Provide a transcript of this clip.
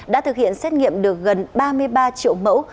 đã thực hiện xét nghiệm được gần ba mươi ba triệu mẫu